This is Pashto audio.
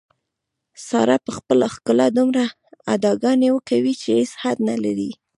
ساره په خپله ښکلا دومره اداګانې کوي، چې هېڅ حد نه لري.